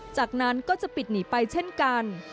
จากนั้นก็จะปิดหนีไปเช่นกัน